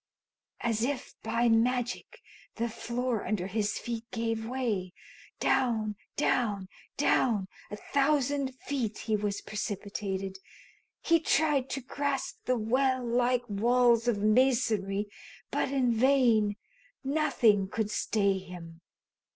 As if by magic the floor under his feet gave way. Down, down, down, a thousand feet he was precipitated. He tried to grasp the well like walls of masonry, but in vain. Nothing could stay him.